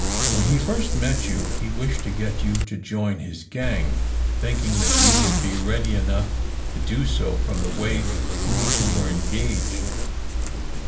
When he first met you, he wished to get you to join his gang, thinking that you would be ready enough to do so from the way in which you were engaged.